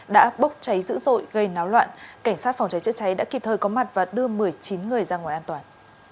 đã bốc cháy dữ dội gây náo loạn cảnh sát phòng cháy chữa cháy đã kịp thời có mặt và đưa một mươi chín người ra ngoài an toàn